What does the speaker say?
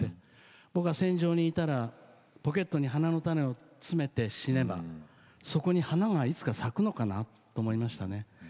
僕は戦場にいたらポケットに花の種を詰めて死ねばそこに花がいつか咲くのかなと思いましたね。